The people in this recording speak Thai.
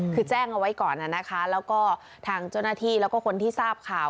คือแจ้งเอาไว้ก่อนนะคะแล้วก็ทางเจ้าหน้าที่แล้วก็คนที่ทราบข่าว